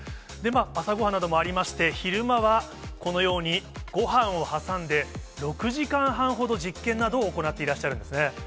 朝ごはんなどもありまして、昼間はこのようにごはんを挟んで、６時間半ほど実験などを行っていらっしゃるんですね。